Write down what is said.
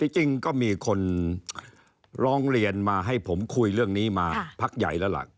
จริงก็มีคนร้องเรียนมาให้ผมคุยเรื่องนี้มาพักใหญ่แล้วล่ะ